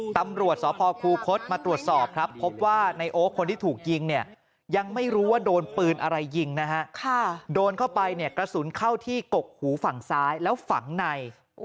ตำรวจสพคูคศมาตรวจสอบครับพบว่าในโอ๊คคนที่ถูกยิงเนี่ยยังไม่รู้ว่าโดนปืนอะไรยิงนะฮะโดนเข้าไปเนี่ยกระสุนเข้าที่กกหูฝั่งซ้ายแล้วฝังใน